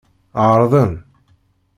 Ɛeṛḍen.